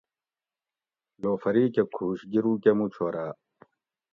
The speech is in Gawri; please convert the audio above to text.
لوفری کہ کھُوش گِرو کہ مُو چھوراۤ